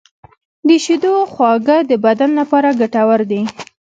د شیدو خواږه د بدن لپاره ګټور دي.